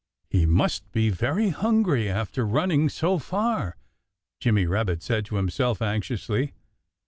"He must be very hungry, after running so far," Jimmy Rabbit said to himself anxiously.